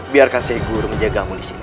biarkan saya guru menjagamu di sini